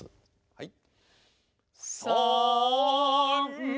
はい。